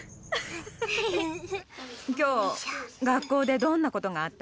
今日学校でどんなことがあった？